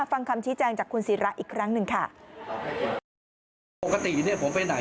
ฟังคำชี้แจงจากคุณศิระอีกครั้งหนึ่งค่ะ